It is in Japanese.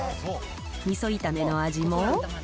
みそ炒めの味も。